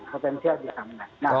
potensial bisa menang